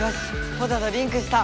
ポタとリンクした！